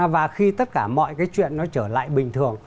và khi tất cả mọi cái chuyện nó trở lại bình thường